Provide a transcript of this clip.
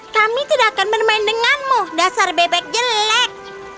kami tidak akan bermain denganmu dasar bebek jelek